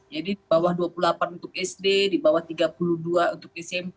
jadi di bawah dua puluh delapan untuk sd di bawah tiga puluh dua untuk smp